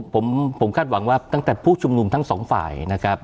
ผมคาดหวังว่าตั้งแต่ผู้ชุมนุมทั้งสองฝ่ายนะครับ